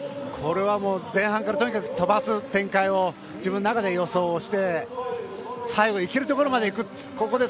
これはもう前半からとにかく飛ばす展開を自分の中で予想して最後いけるところまでいく。